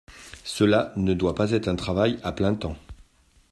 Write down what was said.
Cela ne doit pas être un travail à plein temps.